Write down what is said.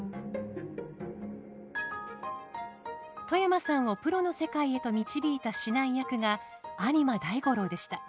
外山さんをプロの世界へと導いた指南役が有馬大五郎でした。